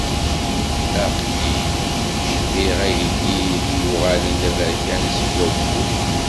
Aql-i cbiɣ ayeddid i uɣalen d aberkan seg wabbu.